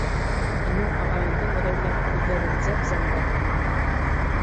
— Һинең ағайыңдың, Рәйлә, күҙҙәре зәп-зәңгәр...